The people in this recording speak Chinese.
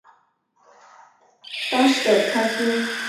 当时的藩厅为会津若松城。